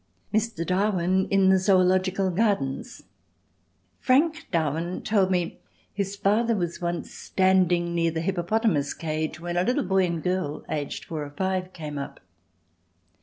Mr. Darwin in the Zoological Gardens Frank Darwin told me his father was once standing near the hippopotamus cage when a little boy and girl, aged four and five, came up.